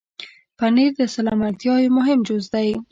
پنېر د سلامتیا یو مهم جز دی.